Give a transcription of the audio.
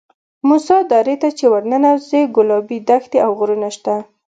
موسی درې ته چې ورننوځې ګلابي دښتې او غرونه شته.